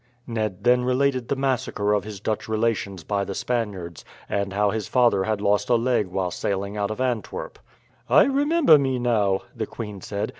Ned then related the massacre of his Dutch relations by the Spaniards, and how his father had lost a leg while sailing out of Antwerp. "I remember me now," the queen said.